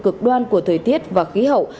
cực đoan của thời tiết và khí hậu